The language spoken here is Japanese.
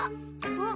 あっ。